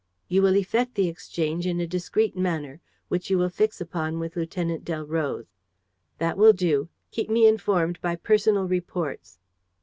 You will effect the exchange in a discreet manner, which you will fix upon with Lieutenant Delroze. That will do. Keep me informed by personal reports."